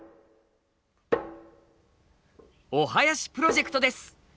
お囃子プロジェクトです。